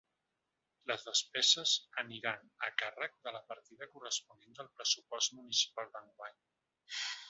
Les despeses aniran a càrrec de la partida corresponent del pressupost municipal d’enguany.